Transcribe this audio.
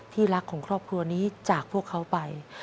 รักของครอบครัวนี้จากพวกเขาไป